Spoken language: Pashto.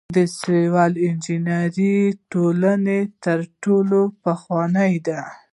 د سیول انجنیری ټولنه تر ټولو پخوانۍ ده.